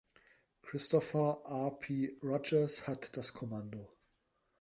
Christopher R.P. Rodgers hat das Kommando.